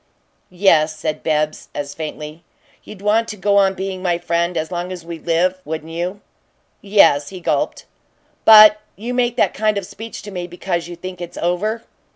"Yes," said Bibbs, as faintly. "You'd want to go on being my friend as long as we live, wouldn't you?" "Yes," he gulped. "But you make that kind of speech to me because you think it's over."